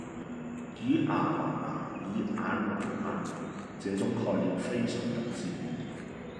以牙還牙，以眼還眼，這種概念非常不智